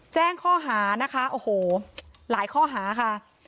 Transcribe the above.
แจ้งข้อหานะคะโอ้โหหลายข้อหาค่ะ